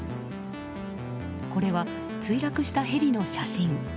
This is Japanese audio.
これは墜落したヘリの写真。